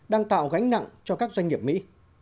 đang tạo gánh nặng cho các doanh nghiệp mỹ